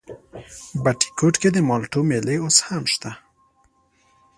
بټي کوټ کې د مالټو مېلې اوس هم شته؟